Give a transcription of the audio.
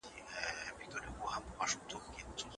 هغه میلمه پالنه وکړه